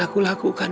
akan aku lakukan